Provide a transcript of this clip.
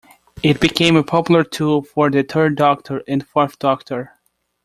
It became a popular tool for the Third Doctor and Fourth Doctor.